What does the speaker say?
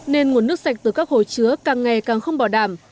nên nguồn nước sạch từ các hồ chứa càng ngày càng không bảo đảm